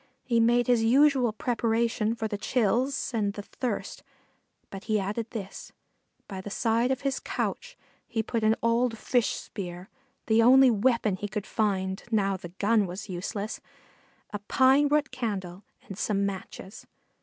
He made his usual preparations for the chills and the thirst, but he added this by the side of his couch he put an old fish spear the only weapon he could find, now the gun was useless a pine root candle and some matches.